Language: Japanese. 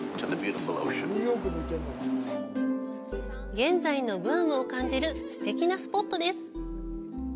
現在のグアムを感じるすてきなスポットです。